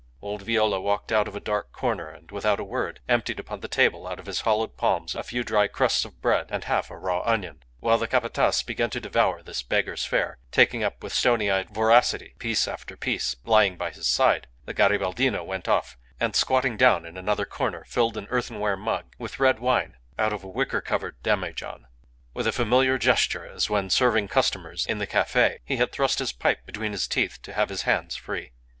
Old Viola walked out of a dark corner, and, without a word, emptied upon the table out of his hollowed palms a few dry crusts of bread and half a raw onion. While the Capataz began to devour this beggar's fare, taking up with stony eyed voracity piece after piece lying by his side, the Garibaldino went off, and squatting down in another corner filled an earthenware mug with red wine out of a wicker covered demijohn. With a familiar gesture, as when serving customers in the cafe, he had thrust his pipe between his teeth to have his hands free.